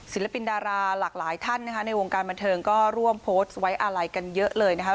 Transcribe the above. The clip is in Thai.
ศิลปินดาราหลากหลายท่านนะคะในวงการบันเทิงก็ร่วมโพสต์ไว้อาลัยกันเยอะเลยนะคะ